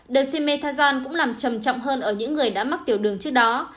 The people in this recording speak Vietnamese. dexamethasone cũng làm trầm trọng hơn ở những người đã mắc tiểu đường trước đó